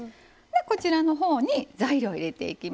こちらのほうに材料入れていきます。